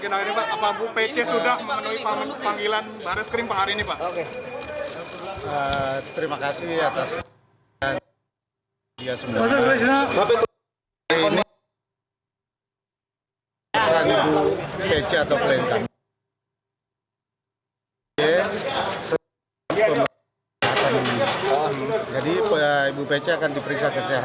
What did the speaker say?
dan kesehatan akan dilanjutkan